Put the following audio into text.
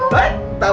dari atas ke bawah